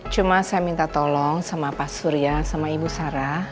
cuma saya minta tolong sama pak surya sama ibu sarah